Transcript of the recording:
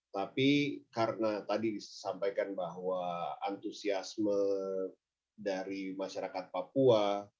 tapi karena tadi disampaikan bahwa antusiasme dari masyarakat papua